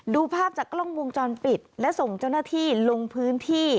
ดูภาพจากกล้องวงจรปิดและส่งเจ้าหน้าที่ลงพื้นที่